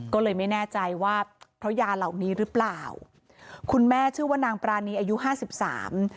ก็เลยไม่แน่ใจว่าเพราะยาเหล่านี้หรือเปล่าคุณแม่ชื่อว่านางปรานีอายุห้าสิบสาม